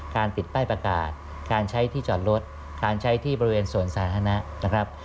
ติดป้ายประกาศการใช้ที่จอดรถการใช้ที่บริเวณสวนสาธารณะนะครับ